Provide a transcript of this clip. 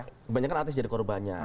kebanyakan artis jadi korbannya